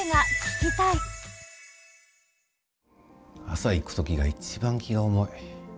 朝行く時が一番気が重い。